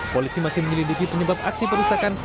polisi masih menyelidiki penyebab aksi perusahaan